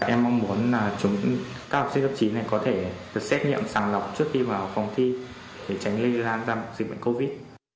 em mong muốn là các học sinh lớp chín này có thể được xét nghiệm sàng lọc trước khi vào phòng thi để tránh lây lan ra dịch bệnh covid